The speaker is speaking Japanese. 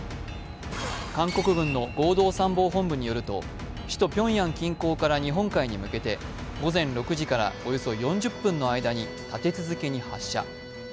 韓国軍の合同参謀本部によると首都ピョンヤン近郊から日本海に向けて午前６時からおよそ４０分の間に立て続けに発射。